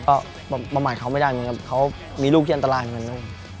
ก็ประมาณเขาไม่ได้เหมือนกันเขามีลูกที่อันตรายเหมือนลูก